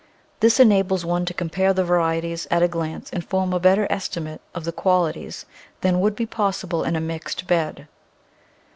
This enables one to compare the varieties at a glance and form a better estimate of their qualities than would be possible in a mixed bed.